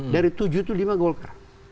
dari tujuh itu lima golkar